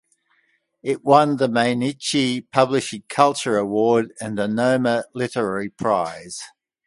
It won the Mainichi Publishing Culture Award and the Noma Literary Prize.